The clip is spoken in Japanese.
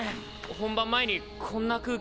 本番前にこんな空気に。